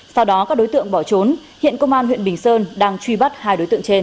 sau đó các đối tượng bỏ trốn hiện công an huyện bình sơn đang truy bắt hai đối tượng trên